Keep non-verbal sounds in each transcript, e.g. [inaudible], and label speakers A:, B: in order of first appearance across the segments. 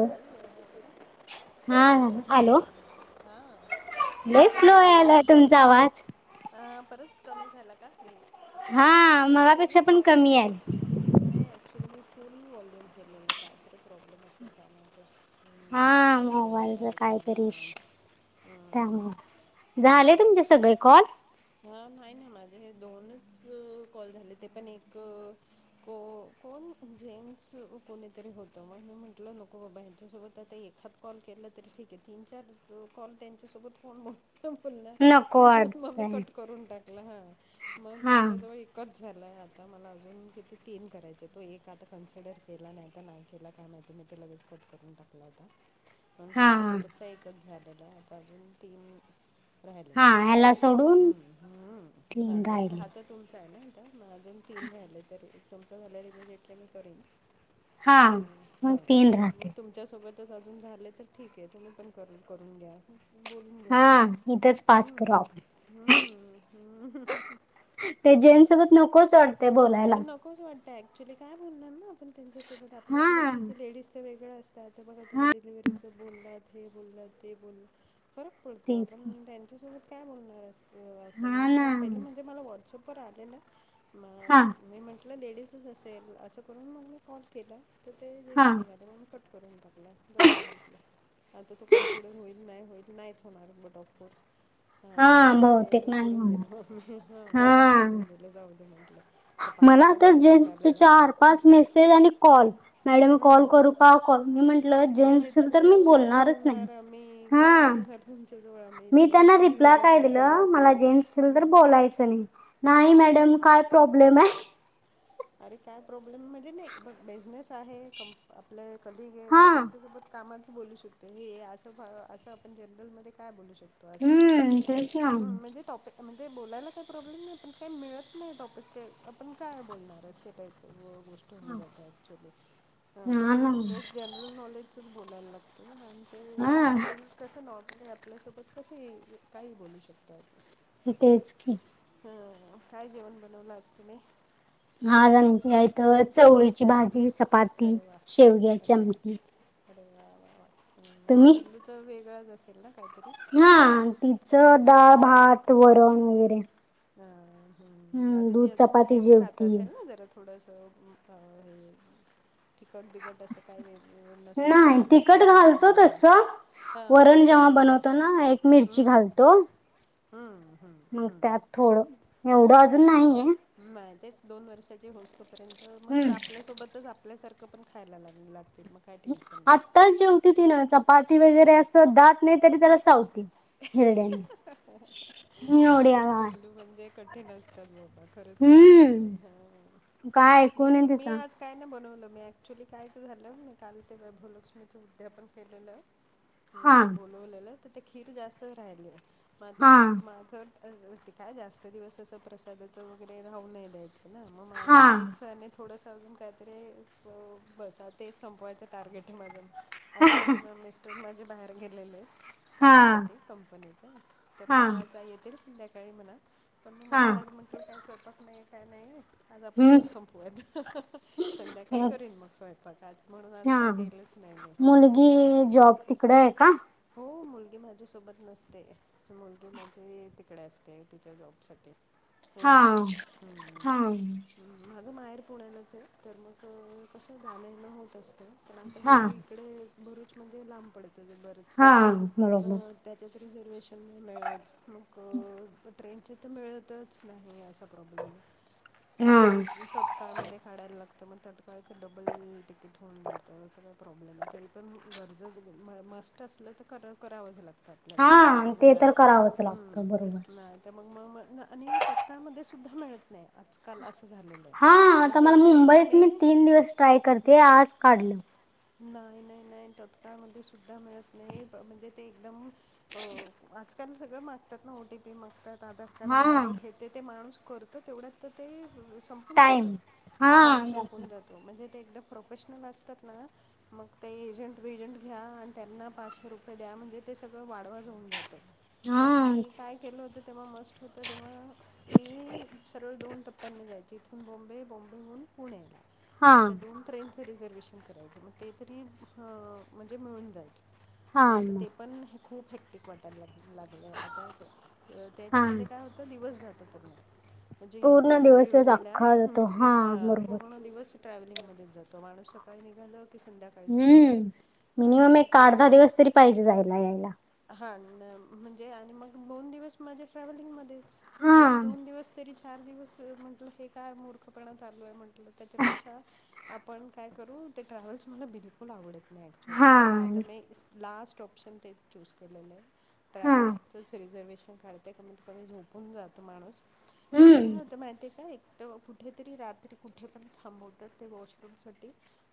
A: झालं, जेवणं वगैर?
B: हा... हॅलो...
A: हां
B: लई स्लो यायलाय तुमचा आवाज
A: आ... परत कमी झाला का... वेट हां
B: हा... मगापेक्षा पण कमी ए
A: नई... ॲक्च्युली मी फुल व्हॉल्यूम केलेलं ए... काहीतरी प्रॉब्लेम असेल त्यामुळे ते
B: हा... मोबाईलचं कायतरी
A: हां
B: इश्यु... त्यामुळं... झाले
A: हम्म.
B: तुमचे सग बेॉल.
A: हा... नाही ना, माझे हे दोनच... कॉल झाले... ते पण एक को... कोण जेंट्स... कोणीतरी होतं, मग मी म्हंटलं... नको बाबा... हेच्यासोबत आता एखाद कॉल केला तरी ठीक ए... तीन चार कॉल... त्यांच्यासोबत कोण बोल कोण बोलणार,
B: नको
A: म्हणून मग मी...
B: अडचण
A: कट करून टाकला. हा... मग
B: हा
A: तुमच्या जवळ एक कच झालय... आता मला अजून किती... तीन करायचे. तो एक आता कन्सिडर केला नाय नाही केला काय माहिती... मी तर लगेच कट करून टाकला होता. पण
B: हा
A: तुमच्यासोबतचा एकच झालेला ए... आता अजून तीन
B: हा... ह्यालाच
A: हुं हुं...
B: राहिले
A: हा [unintelligible] तुमचा ए ना आता? म... अजून तीन राहिले... तरी, तुमचा झाल्यावर इमिजिएटली मी करीन.
B: हा... मग तीन राहतेत
A: तुमच्या सोबतच अजून झाले तर ठीक ए... तुम्ही पण कर.. करून घ्या बोलून घेऊ
B: हा...
A: आपण
B: इथंच पाच करू आपण
A: हुं... हुं हुं
B: ते जेंटसोबत... नकोच वाटते बोलायला
A: कोच वाटतं... ऍक्च्युली... काय बोलणार ना आपण त्यांच्यासोबत... आपलं
B: हा
A: आपलं ठीक ए... लेडीजचं वेगळं असतात बघा... तुम्ही
B: हा
A: डिलिवरीचं बोललात... हे बोललात, ते बोललात फरक पडतो,
B: तेच
A: आपण...
B: की.
A: त्यांच्यासोबत काय बोलणार असतं असं...
B: हा
A: म्हणून
B: ना
A: म... पहिलं म्हणजे, मला व्हॉट्सअप वर आलेलं,
B: हा
A: मग... मी म्हंटलं... लेडीजच असेल, असं करून... मग मी कॉल केला तर ते
B: हा
A: जेट्स निघाले... मग मी कट करून टाकला... जाऊ दे म्हटलं आता तो, कन्सिडर होईल... नाई होईल... नाहीच होणार बट ऑफकोर्स हा, तर मग...
B: बहुतेक नाही
A: सोडून दिलं,
B: होणार
A: मग मी... हा... मग मी सोडून दिलं... जाऊ दे म्हटलं हे
B: मला
A: पाचचाच
B: तर...
A: मेसेज
B: जेट्सचे
A: आलेला
B: चार, पाच मेसेज आणि कॉल... मॅडम
A: हो
B: कॉल
A: ना.
B: करू का ओ कॉल... मी म्हंटलं,
A: अरे
B: जेट्स
A: भाई
B: असेल, तर मी
A: तुमच्याजवळ काय
B: बोलणारच नाई... हा
A: तुमच्या जवळ ए आम्ही
B: मी
A: त्यांनाच
B: त्यांना रिप्लाय
A: समजायला
B: काय
A: पाहिजे.
B: दिलं, मला जेंट्स असेल.. तर
A: हम्म.
B: बोलायचं नई नाई मॅडम... काय प्रॉब्लेम ए
A: अरे काय प्रॉब्लेम म्हणजे... नाई... बघ... बिझनेस आहे, क... आपलं कलीग ए... तर
B: हा
A: त्यांच्यासोबत, कामाचं बोलू शकतो. हे असं... फा... असं, आपण जनरलमध्ये काय बोलू शकतो? असं आहे ना
B: हम्म... तेच ना
A: हं, म्हणजे टॉपिक म्हणजे... बोलायला काई प्रॉब्लेम नाई... पण काही मिळत नाही, टॉपिक काई... आपण काय बोलणार? [unintelligible] टाइप गो... गोष्ट होऊन जाते ॲक्चुअली... हा... तेच जेन म्हणून नॉलेजचंच बोलायला लागतं... अन ते
B: ना
A: असं
B: हा
A: आपल्याला कसं नॉर्मली... आपल्यासोबत कसंही... काहीही बोलू शकतो असं
B: तेच की
A: हम काय जेवण बनवलंच तुम्ही.
B: हाज आमट आहे तर चवळीची भाजी चपाती
A: अरे वा
B: शेवग्या च
A: अरे वा
B: आमट.
A: अरे वा वा वा आणि पिल्लूच वेगळंच असेल ना काहीतरी.
B: हा तिच दा भात वरण वगैरे.
A: ह हम्
B: हम्म
A: आता ते
B: दूध
A: अजून
B: चपाती
A: हेच खात
B: जेवती
A: असेल ना जरा थोडंस. ह हे. तिकट बििकट असं काही वेगं नसेलच
B: नाही
A: खाातं
B: तिखट
A: आपल्यासारखं
B: घालतो
A: नॉर्मल.
B: तस
A: हां पण
B: वरण जेव्हा
A: जास्त नाही
B: बनवतो ना एक मिरची घालतो.
A: हा हा.
B: मग त्यात थोडं एवढं अजून नाहीय.
A: नाही तेच दोन वर्षाचे होस तोपर्यंत मग
B: हम्म
A: आपल्यासोबतच. आपल्यासारखं पण खायला लाग लागतील मग. काय टेन्शन नाही
B: आत्ताच जी होती ती ना चपाती वगैरे असं दात नाही तरी त्याला चावती. हरड्यान न
A: खरंच
B: नोड्या.
A: पिल्लू म्हणजे कठी असात खरच क असतात
B: हम्म काय ऐकून आहे तिचा
A: आज. काय नाही बनवलं मी ॲक्च्युली कायच झालं मी काल ते वैभूवलक्ष्मीचं उद्यापन केलेलं. [inaudible]
B: हा..
A: ललेलं तर ते खीर जास्तच राहिली आहे मग आता
B: हा
A: माझं. ते काय जास्त दिवस असं प्रसादाचं वगैरे राहू नय द्यायचं ना मग
B: हा
A: आझता तेच. थोडंसं अजून काहीतरी बसा तेच संपवाय तर,, टार्गेट आहे माझं असं पण मिस्टर माझे बाहेर गेलेले आहेत.
B: हा
A: कामासाठी कंपनीच्या तर
B: हा
A: मग आज येतील संध्याकाळी म्हणा. पण मग
B: हा
A: मला आज म्हटलं काय स्वयंपाक नाही काय नाही आज आपण
B: हम्म
A: हेच संपूयात. संध्याकाही करीन मग स्वयंपाक आज म्हणून आज
B: हा
A: काही केलंच नाही मी.
B: मुलगी जॉब त इकडं आहे का.
A: हो मुलगी माझ्यासोबत नसते. मुलगी माझी तिकडे असते तिच्या जॉब साठी. पुड्याला
B: हा
A: असते हम्मम्.
B: हा
A: माझं माहेर पुण्यालाच आहे तर मग कसं जाणणं होत असतं. पण आता हे
B: हा
A: इकडे भरुच म्हणजे लांब पडत बरच.
B: हा बरोबर.
A: त्याच्यात रिझर्वेशन नाही मिळत मग. ट्रेनचे तर मिळतच नाही असा प्रॉब्लेम आहे.
B: हा
A: तत्काळ म काढायला लागत. तर मग तटकाळाचं डबल तिकीट होऊन जातं सगळं प्रॉब्लेम आहे तरी पण गरज म मस्त असलं तर करावं लातं.
B: हा ते तर करावंच
A: हम्म.
B: लागतं बरोबर.
A: नाही तर मग मग म आणि तत्काळमध्ये सुद्धा मिळत नाही आजकाल असं झालेलं. आहे.
B: हा
A: मग
B: आ मला
A: शेवटी मग
B: मुंबईच मी तीन दिवस ट्राय करते आज काढल.
A: नाही नाही नाही तत्काळमध्ये सुद्धा मिळत नाही म्हणजे ते एकदम. हो आजकाल सगळं मागतात ना ओ टी पी मागतात आधार. त्या
B: हा
A: नंबर हे ते ते माणूस करत तेवढ्यात तर ते. जात
B: टाइम हा
A: टाइम संपून जातो म्हणजे ते एकदा प्रोफेशनल असतात ना. मग ते एजंट वेजंट घ्या आणि त्यांना पाचशे रुपये द्या म्हणजे ते सगळं वाढवा जाऊन जातं.
B: हा
A: मग मी काय केलं होत तेव्हा मस्ट होतं तेव्हा. मी सरळ दोन टप्प्यांनी जायचे इथून बॉम्बे बॉम्बेहून पुण्याला.
B: हा
A: अशा दोन ट्रेनचं रिझर्वेशन करायचे मग ते तरी म्हणजे मिळून
B: हा
A: जायचं. आता
B: मग
A: ते पण खूप हेक्टिक वाटायला ला लागलंय आता
B: हा
A: त्याच्यामध्ये काय हो आता दिवस जातो पूर्ण म्हणजे
B: पूर्ण
A: इथून
B: दिवसच
A: बोरेवलेला
B: अख्खा
A: ह्म
B: जातो हा
A: ह
B: बरोबर
A: पूर्ण दिवस ट्रॅव्हलिंग म जातो माणस सकाळी निघाल की संध्याका
B: हम्म मिनिमम एक अर्धा दिवस तरी पाहिजे जायला यायला
A: हां म्हणजे आणि मग दोन दिवस माझ्या ट्रॅव्हलिंगमध्येध्ये
B: हा
A: गेली दोन दिवस तरी चार दिवस म्ह कायल म्ह त्यापेक्षा आपण काय करू ट्रॅव्हल्स मला बिलकुल आवडत नाही ॲक्च्युअली
B: हा
A: पण म आता म लास्ट ऑप्शन ते चूज केलेलं आहे
B: हा
A: ट्रॅव्हल्सचंच रिझर्वेशन काढ. ते कमीत कमी झोपून जातो माणूस पण ते
B: हम्म
A: काय होत माहितीय काय? तर कुठेतरी रात्री कुठे पण थांबवतात ते वॉशरूम साठी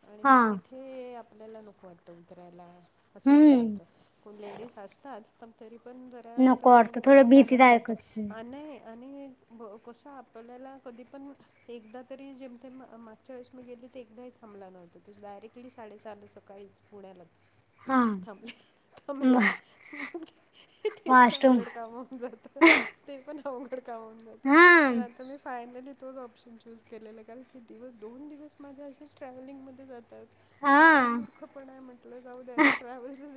A: आणि
B: हा
A: मग तिथे. हे आपल्याला नको वाटतं उतरायला असं होऊन
B: हम्म
A: जातं कोण लेडीज असतात. प तरी पण जरा तो
B: नको वाटतं थोडं
A: खोटा अनाज वाटतो
B: भीतीदायकच ते
A: आणि आणि कसं आपल्याला कधी पण एकदा तरी जेमते. चर्च मे गेले ते एकदाही थांबला नव्हता. तू डायरेक्टली साडेसार सकाळीच पुण्यालाच
B: हा
A: थांब
B: म
A: थांबलेला. ते पण
B: वॉशरूम
A: अवकड काम होन जात. ते पण अवघड कामावून जातं
B: हा
A: पण आता मी फायनली तोच ऑप्शन चूज केलं कारण हे दिवस दोन दिवस माझ्या अशीच ट्रॅव्हलिंग मध्ये जातात
B: हा
A: मग काय मूर् दुःखपण आहे म्हटलं जाऊ द्या तर ट्रॅव्हलस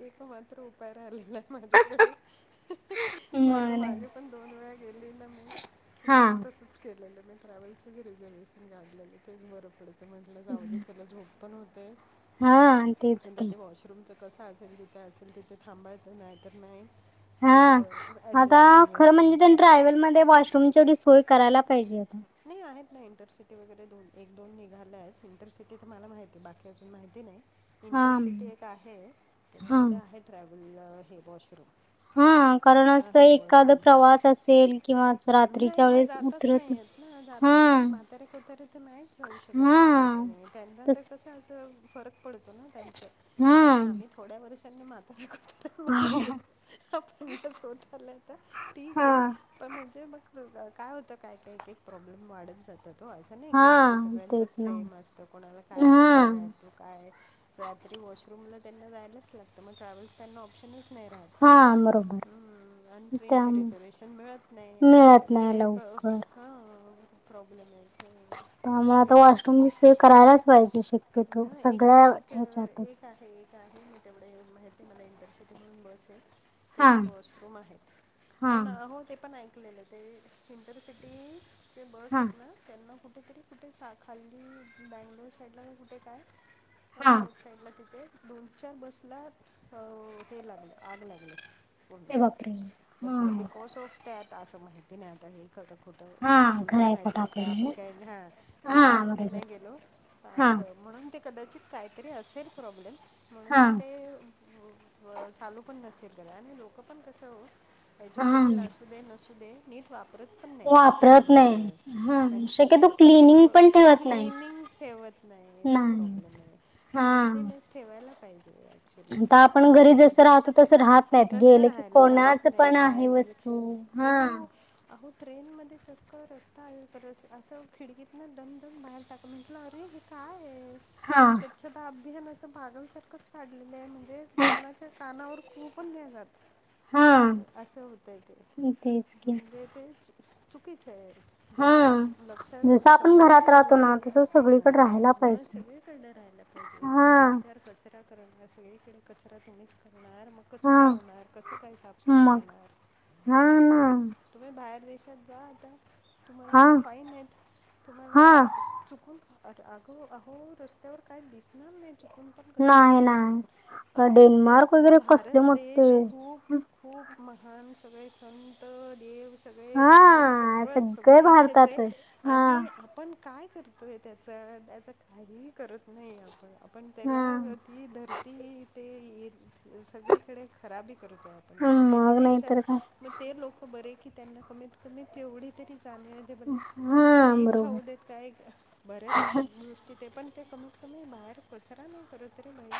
A: एक मात्र उपाय राहिलेला आहे माझ्याकडे मग आता मागे पण दोन वेळा गेली ना मी तर
B: हा
A: मग तस. केलेलं मी ट्रॅव्हल्लचचे जे रिझर्ववेशन काढलेले तेच बरं पडतं म्हटलं जाऊ. चला झोप पण होते
B: हा तेच की
A: ते वॉशरूमच कस असेल जिथे असेल तिथे थांबायचं नाही तर नाही.
B: हा
A: थोडं
B: आता
A: ॲडजस्ट करून
B: खरं
A: घ्यायचं
B: म्हणजे त्यां
A: म्हटलं
B: टड्रायव्हल मध्ये वॉशरूमवढी सोय करायला पाहिजे आता
A: नाही आहेत ना इंटरसिटी वगैरे दोन एक दोन निघाले आहेत इंटरसिटी तर मला माहिती आहे बाकी अजून माहिती नाही.
B: हां
A: इंटरसिटी एक आहे
B: हां
A: त्याच्यामध्ये आहे ट्रॅव्हल हे वॉशरूम
B: हा कारण अस
A: आहे
B: एखाद
A: वॉशरूम
B: प्रवास असेल किंवा अस
A: नाही
B: रात्रीच्या
A: मग
B: वेळेस
A: जातच
B: उतरत.
A: नाही आहेत ना जातच नाहीत
B: हां
A: म्हातारे कोत्याारे तर नाहीच जाऊ शकत
B: हां
A: ट्रॅव्हल्सने त्यांना तर
B: तस
A: कसं असं फरक पडतो ना त्यांच आता
B: हां
A: आम्ही थोड्या वर्षांनी माता पिकत. म आपणसोतलाता ठीक आहे.
B: हां
A: पण म्हणजे मग काय होतं काय काय एक प्रॉब्लेम वाढत जात त हो असं. नाही की अ
B: हां
A: सगळ्यांच
B: तेच ना
A: सेम असतं कोणाला काय असतं.
B: हां
A: काय रात्री वॉशरूमला त्यांना जायलाच लागतं मग ट्रॅव्हल्स त्यांना ऑप्शनच नाही राहत.
B: हा आमर
A: हम्म आणि ट्रेनचे रिझर्वेशन मिळत नाही असं
B: मिळत
A: सगळ.
B: नाही लवकर
A: हो प्रॉब्लेम येत.
B: त्यामुळे आता वॉशरूम सेय करायलाच पाहिजे श
A: ह एक एक एक आहे एक. आहे मी तेवढे माहती मला इंटरसिटी म्हणून बसे
B: हां
A: त्याच्यात वॉशरूम आहेत
B: हां
A: पण आहो ते पण ऐकलेलं ते इंटरसिटी जे बस
B: हां
A: आहेत ना त्यांना कुठेतरी कुठे सा खाल्ली बंगलोर साईड लाुठ ते काय तर
B: हां
A: साऊथ. साईड ला तिथे दोन चार बसला अ हे लागले आग लागले. पूर्ण
B: अरे बापरे हां
A: बसलं बिकॉज ऑफ त्यात असं माहिती नाही आता हे खरं खोटं.
B: हां
A: कणाला
B: घरायला
A: माहिती नाही का
B: टाकलं
A: आपण
B: ना
A: काय हा डिटेल
B: हां
A: मध्ये नाही
B: बरोबर
A: गेलो.
B: हां
A: म्हणून ते कदाचित काहीतरी असेल प्रॉब्लेम म्हणून मग
B: हां
A: ते चालू पण नसतील घरा आणि लोक पण कसं हो. एज्युकेटेड
B: हां
A: असू दे नसू दे नीट वापरत. पण नाही असं होऊन
B: वापरत नाही
A: जातं
B: हां
A: ॲक्च्युली
B: शक्यतो
A: खूप
B: क्लिनिंग पण ठेवत नाही
A: क्लनिंग ठेवत. तो
B: नाही
A: प्रॉब्लेम आहे
B: हां
A: क्लनलीनेस ठेवायला पाहिजे. ॲक्च्युली
B: आता आपण घरी जसं राहतो तसं राहत नाहीत
A: तसं
B: गेले की
A: राहायला राहत
B: कोणाच
A: नाही
B: पण
A: बाहेर
B: आहे
A: गेलं की
B: वस्तू
A: हो
B: हम्म.
A: अहो ट्रेनमध्ये चक्क रस्ता असं खिडकीतनं दडम दन बाहेर टाका म्हटलं अरे. काय
B: हा
A: तू स्वच्छ आदा अभिहण असं बागलसारखंच काढलेलं आहे म्हणजे कुणाचा कानावर खूपण न्या जातं [inaudible]
B: हा
A: असं होतय ते
B: तेच की
A: म्हणजे ते चुकीच आहे जरा
B: हा जस
A: लक्षात
B: आपण
A: सगळ्यांनी
B: घरात राहतो
A: दिलं
B: ना तस सगळीकडे
A: म
B: राहायला आप
A: मग सगळीकडन राहायला पाहिजे तुम्ही रस्त्यावर कचरा करणार स वेळी केरकचरा तुम्हीच करणार मग कसं
B: हा
A: काय होणार कसं काय साफसफाई
B: मग
A: होणार
B: हा
A: असे
B: ना
A: तुम्ही बाहेर देशात जा आता
B: हा
A: तुम्हाला फाईन आहेत तुम्हाला
B: हा
A: चुकून अगो अहो रस्त्यावर काय दिसणार नाही चुक कोण पण कच नाही दिसणार
B: तर
A: आपण म्हणतो
B: डेन्मार्क
A: आपलं
B: वगैरे कसले
A: भारत
B: मोठे
A: देश खूप खूप महान सगळे संत देव सगळे मंदिर
B: हा
A: सगळंच सगळं
B: सगळे
A: इथेच आहे
B: भारतात हा
A: आणि आप आपण काय करतोय त्याचं त्याचं काही करत नाही आपण आपण त्याला
B: हा
A: ही धरती ह ते सगळीकडे खराबी करूत
B: मग नाही
A: त्याच्यापेक्षा
B: तर काय
A: मग ते लोक बरे की त्यांना कमीत कमी तेवढी तरी बले
B: हा
A: काही
B: बरोबर
A: खाऊ देत काय? बऱ्याच गोष्टी ते पण ते कमीत कमी बाहेर कचरा नाही करतत रे बाई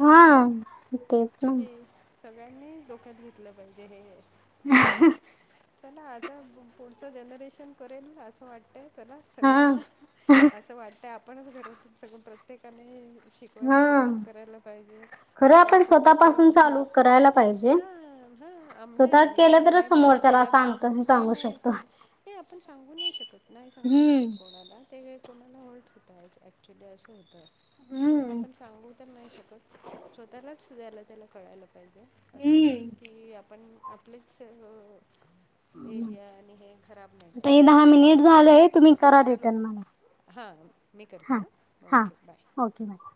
B: हा
A: हम्म
B: तेच ना.
A: ॲक्च्युली सगळ्यांनी डोक्यात घेतलं पाहिजे हे हम् चला आता पुढचं जनरेशन करेल ना असं वाटतं चला
B: हा
A: सगळ्यांना असं वाटतं आपणच घरातून सगं प्रत्येकाने शिकवायला
B: हा
A: सुरुवात करायला पाहिजे
B: खरं
A: आपल्या
B: आपण
A: छोट्याशा
B: स्वतःपासून चालू करायला पाहिजे
A: हा हा आम नाही
B: स्वतः
A: आम्ही तर
B: केलं तरच
A: नाही बाबा
B: समोरच्याला
A: घरात
B: सांगतो
A: नाही
B: सांगू
A: नाही स
B: शकतो.
A: हे आपण सांगू नाही शकत नाही सांगू शकत
B: हम्म.
A: कोणाला ते वेळ कोणाला होल्ट होत ऍक्च्युअली असं होतं म्हणून
B: हम्म
A: आपण सांगू तर नाही शकत स्वतःलाचला त्याला कळायलात जे असे आहे
B: हम्म.
A: की आपण आपलेच एरिया आणि हे खराब नाही
B: आता हे
A: करायला
B: दहा
A: पाहिजे
B: मिनिट झालंय तुम्ही
A: ह
B: करा
A: चलो
B: रिटर्न मला
A: हां मी करते
B: हा
A: हां
B: हा
A: ओके बाय
B: ओके बाय